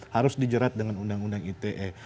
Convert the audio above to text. harus dijerat dengan undang undang ite